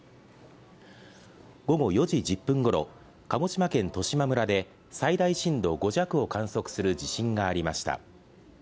午後４時１０分ごろ、鹿児島県十島村で最大震度５弱を観測する地震がありました。